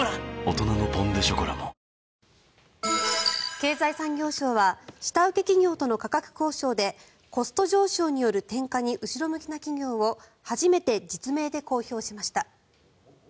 経済産業省は下請け企業との価格交渉でコスト上昇による転嫁に後ろ向きな企業を初めて実名で公表しました。